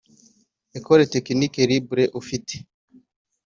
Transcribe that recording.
Ecole technique libre ufite